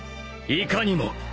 いかにも。